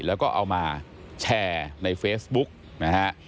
แล้วก็เอามาแชร์ในเฟซบุ๊กนะฮะ